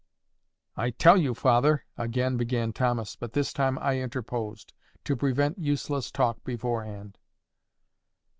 "I tell you, father," again began Thomas; but this time I interposed, to prevent useless talk beforehand.